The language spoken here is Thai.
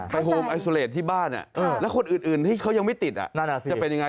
โฮมไอซูเลสที่บ้านแล้วคนอื่นที่เขายังไม่ติดจะเป็นยังไง